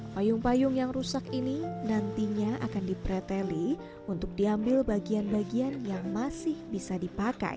payung payung yang rusak ini nantinya akan dipreteli untuk diambil bagian bagian yang masih bisa dipakai